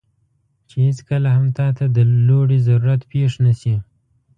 چې هیڅکله هم تاته د لوړې ضرورت پېښ نه شي،